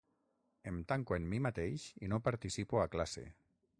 Em tanco en mi mateix i no participo a classe.